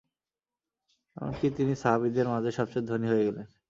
এমনকি তিনি সাহাবীদের মাঝে সবচেয়ে ধনী হয়ে গেলেন।